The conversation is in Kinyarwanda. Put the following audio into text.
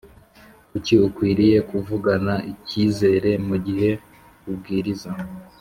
Kuki ukwiriye kuvugana icyizere mu gihe ubwiriza